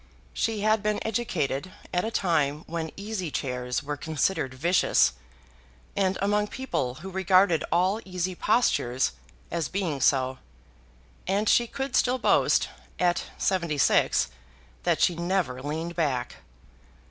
She had been educated at a time when easy chairs were considered vicious, and among people who regarded all easy postures as being so; and she could still boast, at seventy six, that she never leaned back.